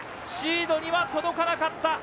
シードには届かなかった。